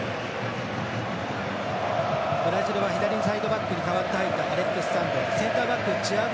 ブラジルは左のサイドバックに代わって入ったアレックス・サンドロ。